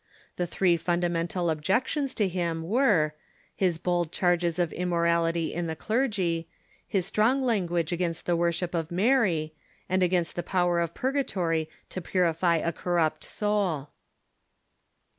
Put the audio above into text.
The three fundamental objec tions to him were, his bold charges of immorality in the clergy, his strong language against the worship of Mary, and against the power of purgatory to purify a corrupt soul.